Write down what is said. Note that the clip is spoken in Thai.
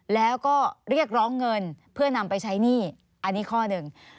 แล้วก็เรียกร้องเงินเพื่อนำไปใช้หนี้อันนี้ข้อหนึ่ง